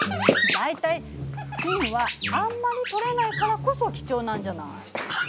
大体金はあんまり採れないからこそ貴重なんじゃない。